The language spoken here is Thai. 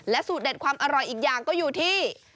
สูตรเด็ดความอร่อยอีกอย่างก็อยู่ที่